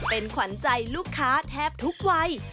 เป็นขวัญใจลูกค้าแทบทุกวัย